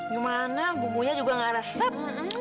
gimana bumbunya juga gak resep